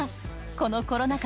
このコロナ禍